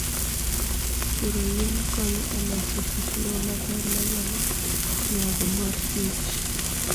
Puro yien konyo e loso kit lowo maber ma nyalo nyago mor kich.